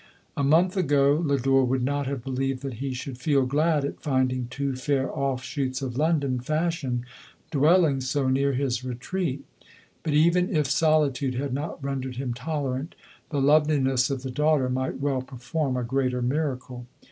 A month ago, Lodore would not have believed that he should feel glad at finding two fair off shoots of London fashion dwelling so near his retreat ; but even if solitude had not rendered him tolerant, the loveliness of the daughter might well perform a greater miracle.